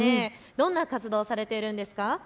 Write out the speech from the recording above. どんな活動をしているんですか。